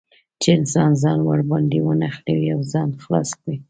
چې انسان ځان ور باندې ونښلوي او ځان خلاص کړي.